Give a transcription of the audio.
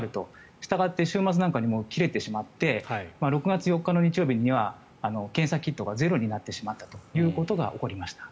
したがって週末にはもう切れてしまって６月４日の日曜日には検査キットがゼロになってしまったということが起こりました。